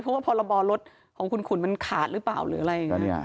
เพราะว่าพรบรถของคุณขุนมันขาดหรือเปล่าหรืออะไรอย่างนี้